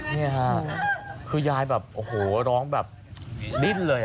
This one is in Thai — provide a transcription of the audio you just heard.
นี่ค่ะคือยายแบบโอ้โหร้องแบบดิ้นเลย